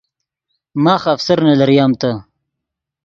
ماخ آفسرنے لریم تے